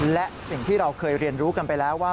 และสิ่งที่เราเคยเรียนรู้กันไปแล้วว่า